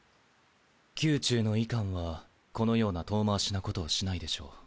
宮中の医官はこのような遠回しなことをしないでしょう。